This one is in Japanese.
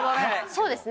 そうですね。